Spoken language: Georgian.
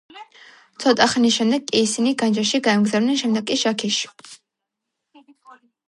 ცოტა ხნის შემდეგ კი ისინი განჯაში გაემგზავრნენ, შემდეგ კი შაქიში.